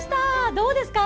どうですか？